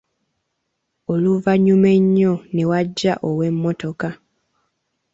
Oluvanyuma ennyo ne wajja ow’emmotoka